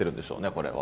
これは。